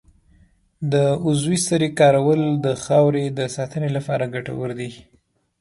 د عضوي سرې کارول د خاورې د ساتنې لپاره ګټور دي.